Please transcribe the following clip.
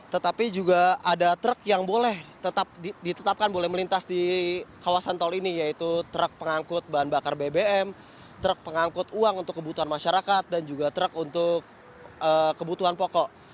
tetapi juga ada truk yang boleh ditetapkan boleh melintas di kawasan tol ini yaitu truk pengangkut bahan bakar bbm truk pengangkut uang untuk kebutuhan masyarakat dan juga truk untuk kebutuhan pokok